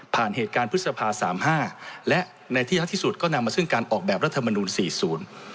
ผ่านเหตุการณ์พฤษภา๓๕และในที่ย้ายที่สุดก็นำมาซึ่งการออกแบบรัฐธรรมนูล๔๐